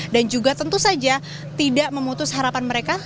dan juga tentu saja tidak memutus harapan mereka